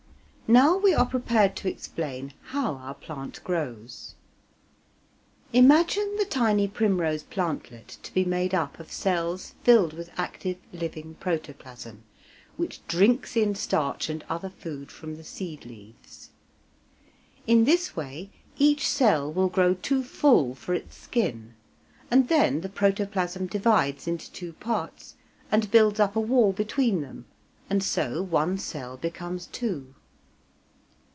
Now we are prepared to explain how our plant grows. Imagine the tiny primrose plantlet to be made up of cells filled with active living protoplasm, which drinks in starch and other food from the seed leaves. In this way each cell will grow too full for its skin, and then the protoplasm divides into two parts and builds up a wall between them, and so one cell becomes two.